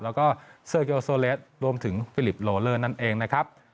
แล้วก็เซอร์โยโซเลสรวมถึงฟิลิปโลเลอร์นั่นเองนะครับ